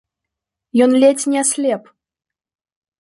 Ён ледзь не аслеп.